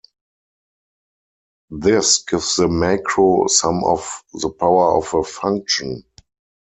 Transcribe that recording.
This gives the macro some of the power of a function.